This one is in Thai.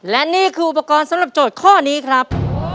และนี่คืออุปกรณ์สำหรับโจทย์ข้อนี้ครับ